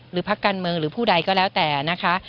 พักการเมืองหรือผู้ใดก็แล้วแต่นะคะ